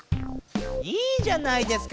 いいじゃないですか。